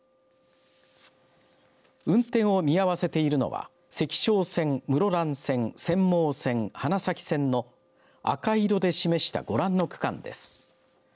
運転を見合わせているのは石勝線室蘭線釧網線花咲線など赤色で示したご覧の区間です。